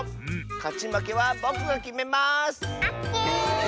かちまけはぼくがきめます！